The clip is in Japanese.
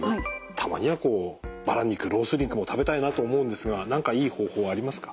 たまにはこうバラ肉ロース肉も食べたいなと思うんですが何かいい方法ありますか？